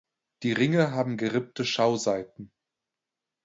Die Ringe haben gerippte Schauseiten.